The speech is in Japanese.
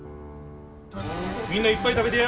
みんないっぱい食べてや！